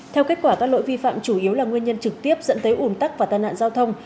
theo kết quả các lỗi vi phạm chủ yếu là nguyên nhân trực tiếp dẫn tới ủn tắc và tai nạn giao thông